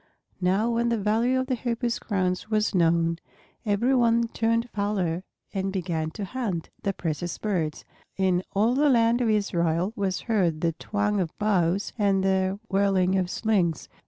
Now when the value of the Hoopoes' crowns was known, every one turned fowler and began to hunt the precious birds. In all the land of Israel was heard the twang of bows and the whirling of slings.